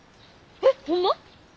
えっホンマ！？